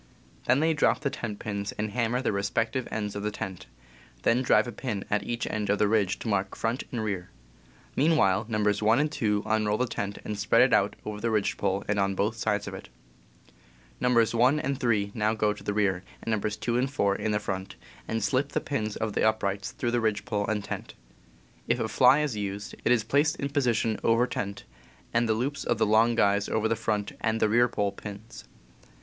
They then drop the tent pins and hammers at their respective ends of the tent; then drive a pin at each end of the ridge to mark front and rear. Mean while, Nos. 1 and 2 unroll the tent and spread it out over the ridge pole and on both sides of it. Nos. 1 and 3 now go to the rear, and Nos. 2 and 4 in front, and slip the pins of the uprights through the ridge pole and tent. If a fly is used, it is placed in position over tent, and the loops of the long guys over the front and rear pole pins.